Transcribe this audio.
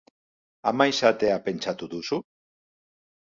Ama izatea pentsatu duzu?